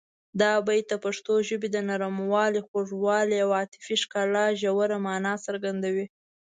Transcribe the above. دا بیت د پښتو ژبې د نرموالي، خوږوالي او عاطفي ښکلا ژوره مانا څرګندوي.